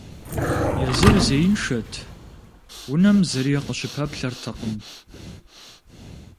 Езыр зеиншэт, унэм зыри къыщыпэплъэртэкъым.